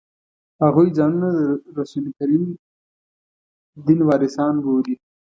هغوی ځانونه د رسول کریم دین وارثان بولي.